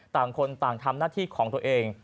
ต่างคนต่างทำหน้าที่ของตัวเอง